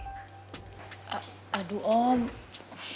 supaya kamu makin betah untuk tinggal di rumah ini